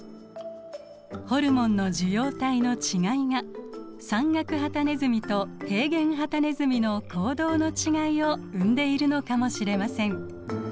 ホルモンの受容体の違いが山岳ハタネズミと平原ハタネズミの行動の違いを生んでいるのかもしれません。